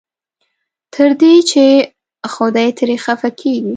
تر دې چې خدای ترې خفه کېږي.